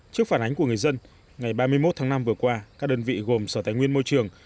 trước phản ánh của người dân ngày ba mươi một tháng năm vừa qua các đơn vị gồm sở tài nguyên môi trường